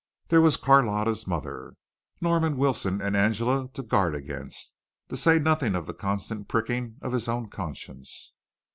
There was Carlotta's mother, Norman Wilson, and Angela, to guard against, to say nothing of the constant pricking of his own conscience.